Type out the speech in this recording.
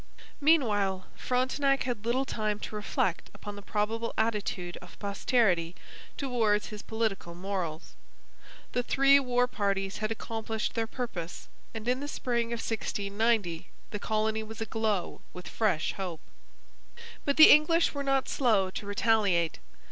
Meanwhile, Frontenac had little time to reflect upon the probable attitude of posterity towards his political morals. The three war parties had accomplished their purpose and in the spring of 1690 the colony was aglow with fresh hope. But the English were not slow to retaliate.